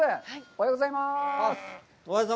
おはようございます。